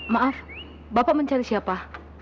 maaf bapak mencari siapa